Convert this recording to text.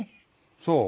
そう？